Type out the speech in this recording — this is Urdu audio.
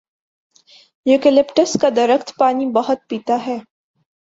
یوکلپٹس کا درخت پانی بہت پیتا ہے۔